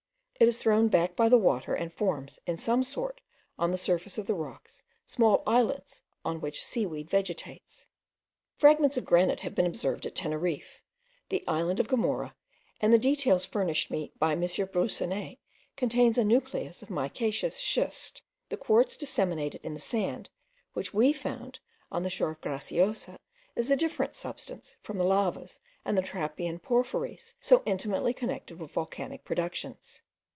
It is thrown back by the water, and forms, in some sort, on the surface of the rocks, small islets on which seaweed vegetates. Fragments of granite have been observed at Teneriffe; the island of Gomora, from the details furnished me by M. Broussonnet, contains a nucleus of micaceous schist: the quartz disseminated in the sand, which we found on the shore of Graciosa, is a different substance from the lavas and the trappean porphyries so intimately connected with volcanic productions.